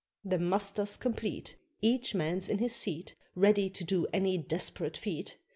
The muster's complete, Each man's in his seat, Ready to do any desperate feat.